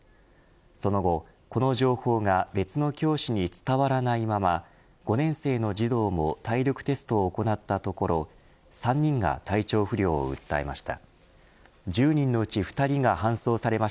その後、この情報が別の教師に伝わらないまま５年生の児童も体力テストを行ったところ３人が体調不良を訴えました。